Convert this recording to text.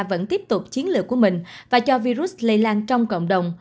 vẫn tiếp tục chiến lược của mình và cho virus lây lan trong cộng đồng